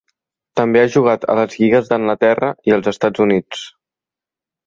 També ha jugat a les lligues d'Anglaterra i els Estats Units.